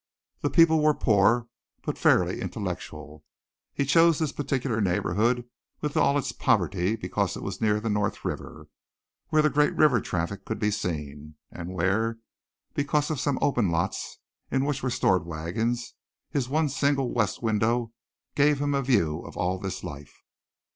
The people were poor but fairly intellectual. He chose this particular neighborhood with all its poverty because it was near the North River where the great river traffic could be seen, and where, because of some open lots in which were stored wagons, his one single west window gave him a view of all this life.